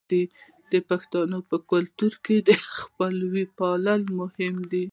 د پښتنو په کلتور کې د خپلوۍ پالل مهم دي.